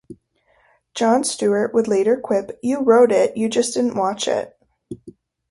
Jon Stewart would later quip, You wrote it, you just didn't watch it!